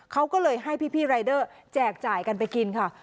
เขาก็เลยให้พี่รายเดอร์แจกจ่ายกันไปกินค่ะ